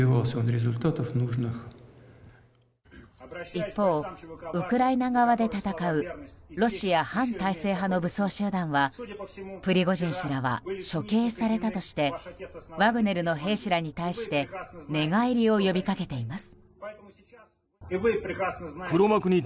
一方、ウクライナ側で戦うロシア反体制派の武装集団はプリゴジン氏らは処刑されたとしてワグネルの兵士らに対して寝返りを呼びかけています。